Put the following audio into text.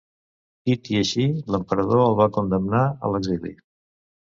Tit i així l'emperador el va condemnar a l'exili.